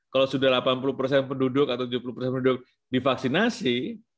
kalau sudah delapan puluh persen penduduk atau tujuh puluh persen penduduk divaksinasi